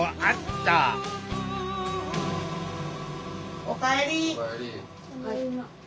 ただいま。